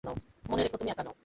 মনে রেখ, তুমি একা নও।